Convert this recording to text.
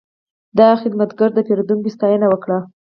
دا خدمتګر د پیرودونکي ستاینه وکړه.